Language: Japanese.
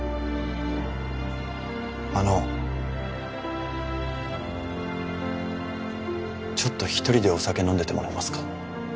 あのちょっと一人でお酒飲んでてもらえますか？